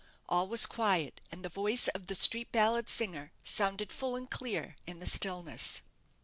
All was quiet, and the voice of the street ballad singer sounded full and clear in the stillness.